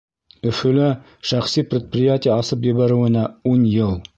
Өфөлә шәхси предприятие асып ебәреүенә — ун йыл.